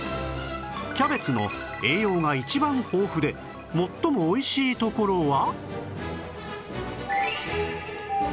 キャベツの栄養が一番豊富で最もおいしいところは？